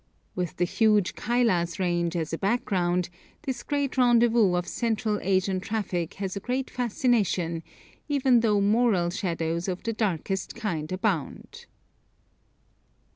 With the huge Kailas range as a background, this great rendezvous of Central Asian traffic has a great fascination, even though moral shadows of the darkest kind abound.